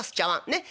ねっ。